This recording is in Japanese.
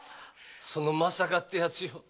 その「まさか」ってやつよ。